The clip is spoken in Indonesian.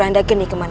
apa yang terjadi